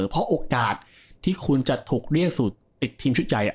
เพราะโอกาสที่คุณจะถูกเรียกสู่ติดทีมชุดใหญ่